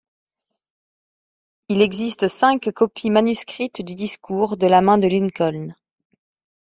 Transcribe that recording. Il existe cinq copies manuscrites du discours, de la main de Lincoln.